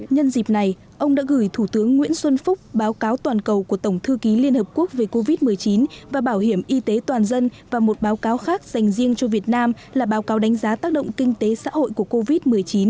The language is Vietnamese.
nhân dịp này ông đã gửi thủ tướng nguyễn xuân phúc báo cáo toàn cầu của tổng thư ký liên hợp quốc về covid một mươi chín và bảo hiểm y tế toàn dân và một báo cáo khác dành riêng cho việt nam là báo cáo đánh giá tác động kinh tế xã hội của covid một mươi chín